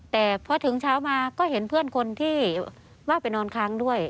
แต่พอถึงเช้ามาก็เห็นเพื่อนคนที่ว่าไปนอนค้างด้วย